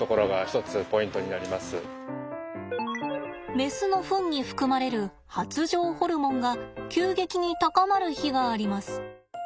メスのフンに含まれる発情ホルモンが急激に高まる日があります。